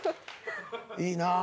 いいなぁ。